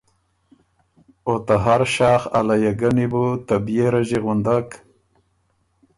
او ته هر سۀ شاخ ا لیه ګني بو ته بيې رݫی غُندک